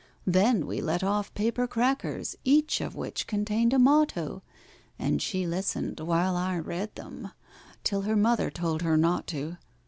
Then we let off paper crackers, each of which contained a motto, And she listened while I read them, till her mother told her not to.